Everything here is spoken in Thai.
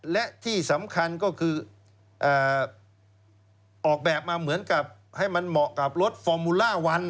และที่สำคัญก็คือออกแบบเป็นเหมือนกับฟอร์มูล่าวัน